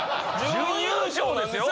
準優勝ですよ。